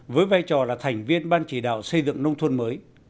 với vai trò là thành viên ban chỉ đạo xây dựng nông thôn mới